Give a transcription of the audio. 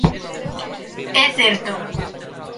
_É certo.